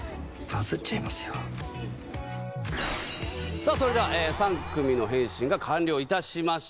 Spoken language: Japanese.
さあそれでは３組の変身が完了致しました。